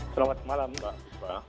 selamat malam mbak